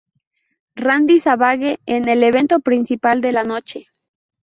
Randy Savage en el evento principal de la noche.